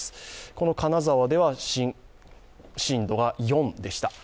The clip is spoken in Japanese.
この金沢では震度が４でした。